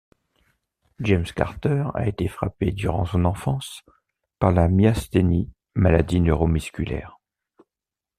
James Carter a été frappé durant son enfance par la myasthénie, maladie neuromusculaire.